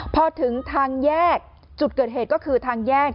พอถึงทางแยกจุดเกิดเหตุก็คือทางแยก